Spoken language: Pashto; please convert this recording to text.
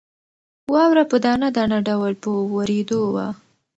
واوره په دانه دانه ډول په وورېدو وه.